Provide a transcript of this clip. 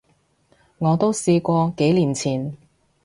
我都試過，幾年前